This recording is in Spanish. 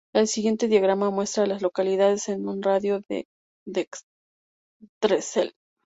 El siguiente diagrama muestra a las localidades en un radio de de Drexel.